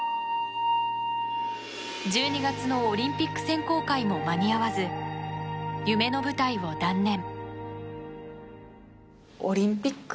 １２月のオリンピック選考会も間に合わず、夢の舞台を断念。